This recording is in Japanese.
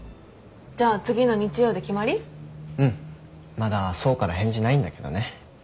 まだ想から返事ないんだけどね。